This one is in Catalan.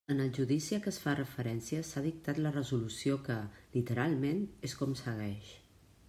En el judici a què es fa referència s''ha dictat la resolució que, literalment, és com segueix.